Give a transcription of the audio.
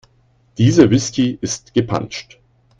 Dieser Whisky ist gepanscht.